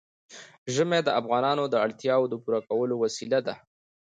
ژمی د افغانانو د اړتیاوو د پوره کولو وسیله ده.